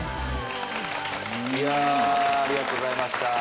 いやありがとうございました。